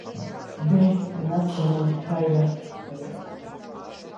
Դե՜հ, մնաս բարյավ: